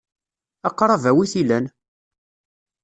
Aqṛab-a wi t-ilan?